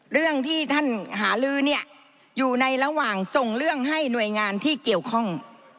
เรื่องที่ท่านหาลือเนี่ยอยู่ในระหว่างส่งเรื่องให้หน่วยงานที่เกี่ยวข้อง